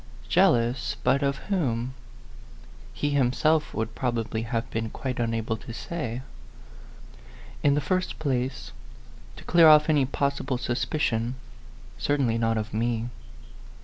Jealous but of whom? He himself would probably have been quite unable to say. In the first place to clear off any possible suspicion certainly not of me.